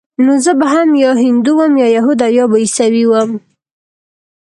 نو زه به هم يا هندو وم يا يهود او يا به عيسوى وم.